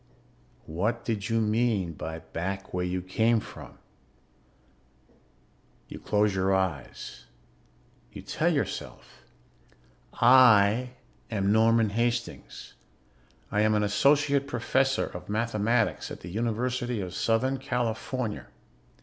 What did you mean by back where you came from? You close your eyes. You tell yourself: _I am Norman Hastings. I am an associate professor of mathematics at the University of Southern California.